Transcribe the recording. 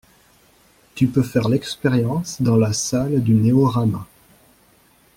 Tu peux faire l'expérience dans la salle du Néorama.